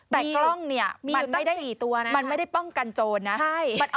แต่กล้องเนี่ยมันไม่ได้ป้องกันโจรนะมีอยู่ในตัว๔ตัว